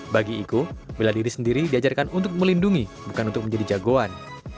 bagi iko bela diri sendiri diajarkan untuk melindungi bukan untuk menjadi jagoan